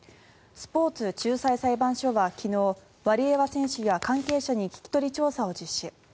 スポーツ仲裁裁判所は昨日ワリエワ選手や関係者に聞き取り調査を実施。